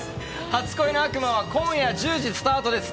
初恋の悪魔は今夜１０時スタートです。